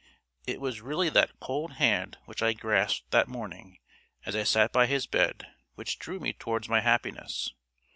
It was really that cold hand which I grasped that morning as I sat by his bed which drew me towards my happiness.